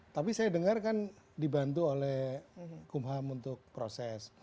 tapi saya dengar kan dibantu oleh kumham untuk proses